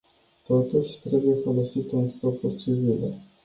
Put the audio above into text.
Totuși, trebuie folosită în scopuri civile.